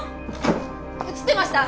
映ってました。